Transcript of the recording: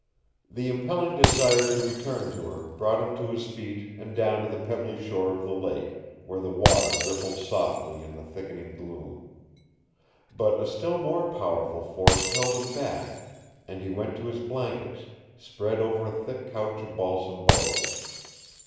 The impelling desire to return to her brought him to his feet and down to the pebbly shore of the lake, where the water rippled softly in the thickening gloom. But a still more powerful force held him back, and he went to his blankets, spread over a thick couch of balsam boughs.